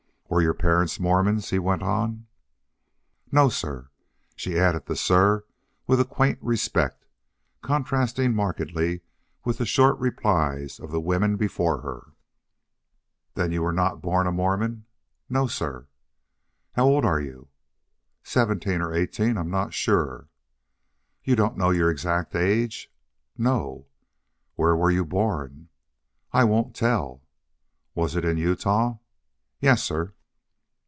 "Were your parents Mormons?" he went on. "No, sir." She added the sir with a quaint respect, contrasting markedly with the short replies of the women before her. "Then you were not born a Mormon?" "No, sir." "How old are you?" "Seventeen or eighteen. I'm not sure." "You don't know your exact age?" "No." "Where were you born?" "I won't tell." "Was it in Utah?" "Yes, sir."